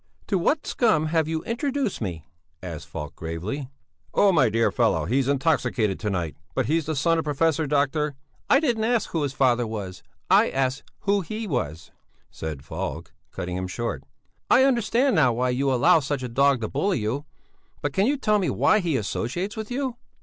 "To what scum have you introduced me?" asked Falk gravely. "Oh, my dear fellow, he's intoxicated to night, but he's the son of Professor Dr...." "I didn't ask who his father was, I asked who he was," said Falk, cutting him short, "I understand now why you allow such a dog to bully you; but can you tell me why he associates with you?"